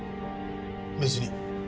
別に。